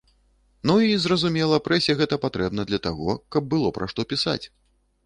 Ну і, зразумела, прэсе гэта патрэбна для таго, каб было пра што пісаць.